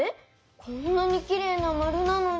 こんなにきれいなまるなのに？